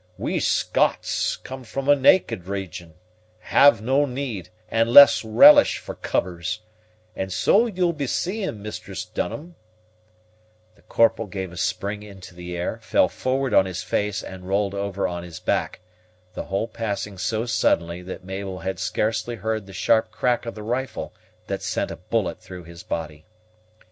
We Scots come from a naked region, and have no need and less relish for covers, and so ye'll be seeing, Mistress Dunham " The Corporal gave a spring into the air, fell forward on his face, and rolled over on his back, the whole passing so suddenly that Mabel had scarcely heard the sharp crack of the rifle that had sent a bullet through his body.